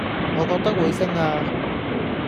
我覺得會升呀